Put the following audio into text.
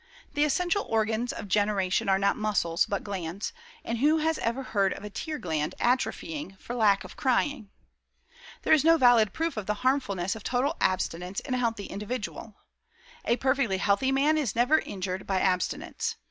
The essential organs of generation are not muscles, but glands, and who has ever heard of a tear gland atrophying for lack of crying. There is no valid proof of the harmfulness of total abstinence in a healthy individual. A perfectly healthy man is never injured by abstinence.